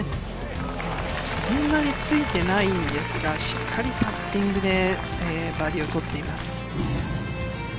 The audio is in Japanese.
そんなについていないんですがしっかりパッティングでバーディーを取っています。